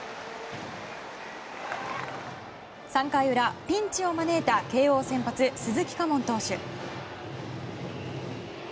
３回裏、ピンチを招いた慶応先発、鈴木佳門投手。